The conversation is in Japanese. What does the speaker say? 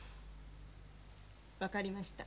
分かりました。